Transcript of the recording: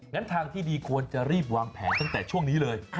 ทางที่ดีควรจะรีบวางแผนตั้งแต่ช่วงนี้เลย